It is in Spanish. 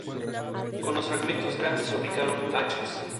Con los fragmentos grandes fabricaron hachas.